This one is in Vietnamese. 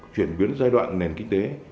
chuyển biến giai đoạn nền kinh tế